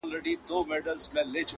او د نیکه نکلونه نه ختمېدل؛